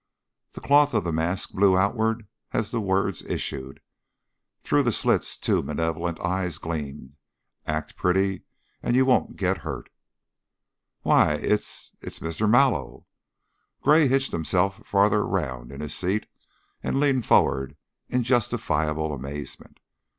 The cloth of the mask blew outward as the words issued; through the slits two malevolent eyes gleamed. "Act pretty, and you won't get hurt." "Why! It's it's Mr. Mallow!" Gray hitched himself farther around in his seat and leaned forward in justifiable amazement.